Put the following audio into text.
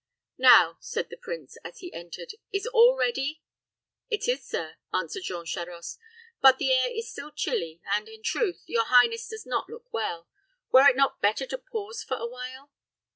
"Now," said the prince, as he entered, "is all ready?" "It is, sir," answered Jean Charost; "but the air is still chilly, and, in truth, your highness does not look well. Were it not better to pause for awhile?"